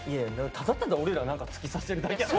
ただただ俺ら何か突き刺してるだけや。